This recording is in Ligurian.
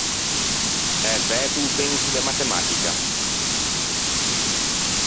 T’æ fæto o penso de matematica?